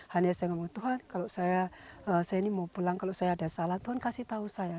hanya saya ngomong tuhan kalau saya ini mau pulang kalau saya ada salah tuhan kasih tahu saya